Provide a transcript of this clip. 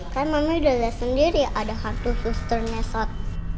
kan mami udah liat sendiri ada hantu suster ngesot